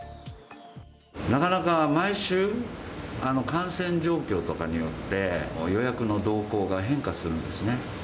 なかなか毎週、感染状況とかによって予約の動向が変化するんですね。